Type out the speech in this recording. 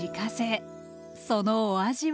そのお味は？